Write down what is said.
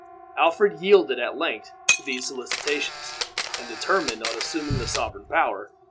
Alfred yielded at length to these solicitations, and determined on assuming the sovereign power.